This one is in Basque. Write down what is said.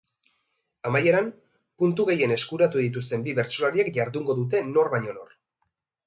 Amaieran, puntu gehien eskuratu dituzten bi bertsolariek jardungo dute nor baino nor.